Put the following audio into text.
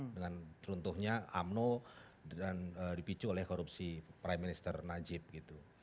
dengan teruntuhnya umno dan dipicu oleh korupsi prime minister najib gitu